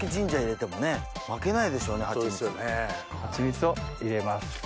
ハチミツを入れます。